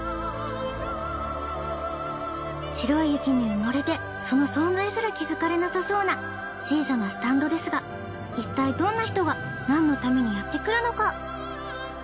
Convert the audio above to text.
白い雪に埋もれてその存在すら気づかれなさそうな小さなスタンドですがいったいどんな人が何のためにやってくるのか。